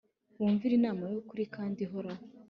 bumvire imana y'ukuri kandi ihoraho .